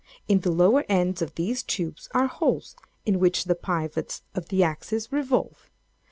In the lower ends of these tubes are holes in which the pivots of the axis revolve.